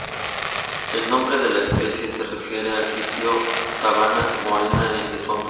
El nombre de la especie se refiere al sitio Thabana-Morena en Lesotho.